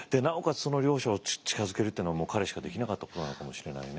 その両者を近づけるっていうのは彼しかできなかったことなのかもしれないね。